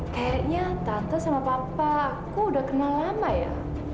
kayaknya tante sama papa aku udah kenal lama ya